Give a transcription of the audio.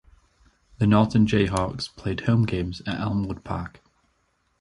The Norton Jayhawks played home games at Elmwood Park.